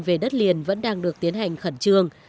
về đất liền vẫn đang được tiến hành khẩn trương